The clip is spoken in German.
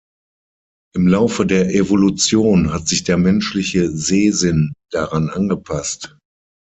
Im Laufe der Evolution hat sich der menschliche Sehsinn daran angepasst.